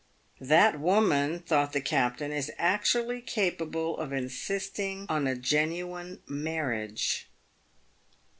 " That woman," thought the captain, " is actually capable of insisting on a genuine marriage."